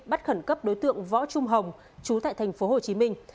bắt khẩn cấp đối tượng võ trung hồng chú tại thành phố hồ chí minh